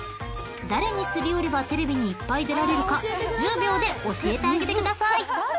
［誰にすり寄ればテレビにいっぱい出られるか１０秒で教えてあげてください］